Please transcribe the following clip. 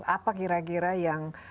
apa kira kira yang